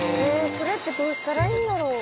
それってどうしたらいいんだろう。